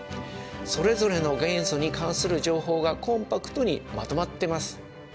それぞれの元素に関する情報がコンパクトにまとまってます。